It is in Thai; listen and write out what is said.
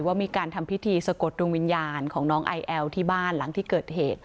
ว่ามีการทำพิธีสะกดดวงวิญญาณของน้องไอแอลที่บ้านหลังที่เกิดเหตุ